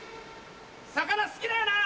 魚好きだよな？